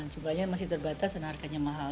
jumlahnya masih terbatas dan harganya mahal